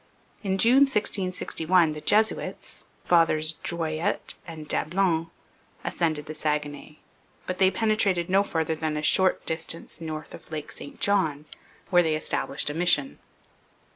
In June 1661 the Jesuits Fathers Dreuilletes and Dablon ascended the Saguenay, but they penetrated no farther than a short distance north of Lake St John, where they established a mission.